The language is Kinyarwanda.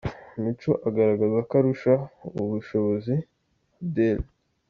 Micho agaragaza ko arusha ubushobozi Adel.